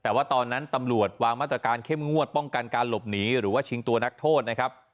แต่ว่าตอนนั้นตำรวจวางมาตรการเข้มงวดป้องกันการหลบหนีหรือว่าชิงตัวนักโทษนะครับ